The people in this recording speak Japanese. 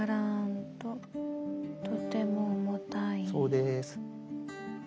そうです。